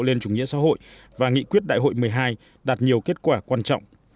lên chủ nghĩa xã hội và nghị quyết đại hội một mươi hai đạt nhiều kết quả quan trọng